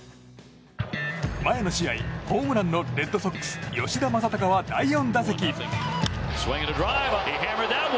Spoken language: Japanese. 前の試合ホームランのレッドソックス、吉田正尚は第４打席。